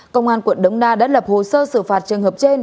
công an quận đống đa đã lập hồ sơ xử phạt trường hợp trên